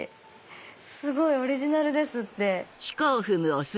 すごい！オリジナルですって。